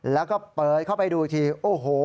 แล้วก็เปิดเข้าไปดูอีกทีโอ้โห